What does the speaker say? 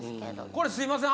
これすいません